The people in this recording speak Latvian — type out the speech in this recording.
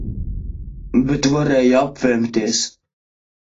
Bet varēja apvemties.